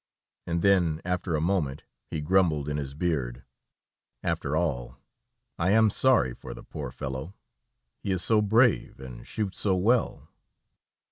And then, after a moment, he grumbled in his beard: "After all, I am sorry for the poor fellow, he is so brave and shoots so well!"